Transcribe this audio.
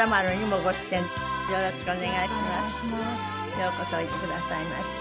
ようこそおいでくださいました。